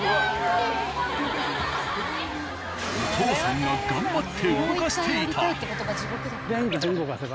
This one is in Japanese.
お父さんが頑張って動かしていた。